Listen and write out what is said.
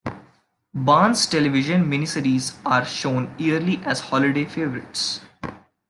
Barnes television miniseries are shown yearly as holiday favourites.